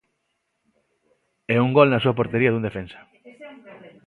E un gol na súa portería dun defensa.